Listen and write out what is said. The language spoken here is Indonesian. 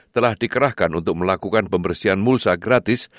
telah dikerahkan untuk melakukan pembersihan mulsa gratis